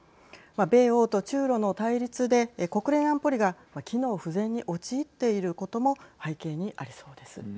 米欧と中ロの対立で国連安保理が機能不全に陥っていることも背景にありそうです。